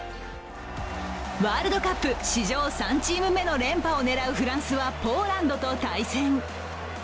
ワールドカップ史上３チーム目の連覇を狙うフランスはポーランドと対戦。